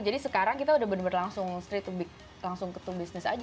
jadi sekarang kita udah bener bener langsung straight to business aja